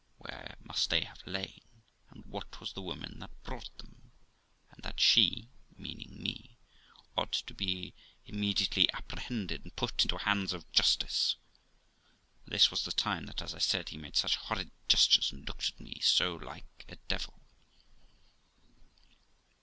Where must they have lain ? and what was the woman that brought them? And that she (meaning me) ought to be immediately apprehended, and put into the hands of justice. And this was the time that, as I said, he made such horrid gestures and looked at me so like a devil.